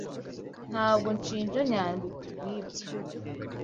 Ntabwo nshinja Nyandwi kubwibyo